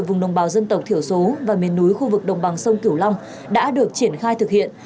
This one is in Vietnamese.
vùng đồng bào dân tộc thiểu số và miền núi khu vực đồng bằng sông cửu long đã được triển khai thực hiện